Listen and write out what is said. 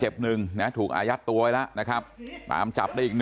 เจ็บหนึงหลายการปื้นถูกอายัดตัวไว้แล้วนะครับ